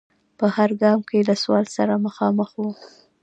په هر ګام کې له سوال سره مخامخ و.